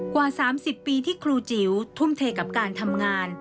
กว่า๓๐ปีที่ครูจิ๋วทุ่มเทกับการทำงาน